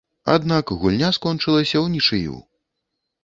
Аднак гульня скончылася ўнічыю.